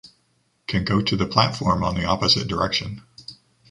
Can go to the platform on the opposite direction.